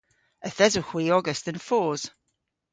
Yth esowgh hwi ogas dhe'n fos.